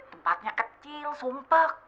tempatnya kecil sumpah